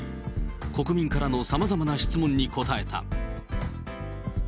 国民からのさまざまな質問に答えた。